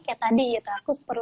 kayak tadi aku perlu